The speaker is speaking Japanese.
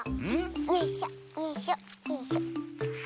よいしょよいしょよいしょ。